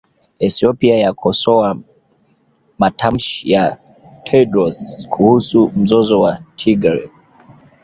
Ethiopia yakosoa matamshi ya Tedros kuhusu mzozo wa Tigray